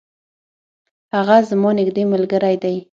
هغه زما نیږدي ملګری دی.